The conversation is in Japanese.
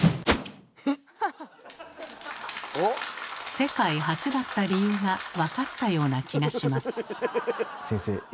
世界初だった理由が分かったような気がします。